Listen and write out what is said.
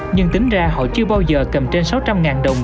nhưng tính ra họ chưa bao giờ cầm trên sáu trăm linh đồng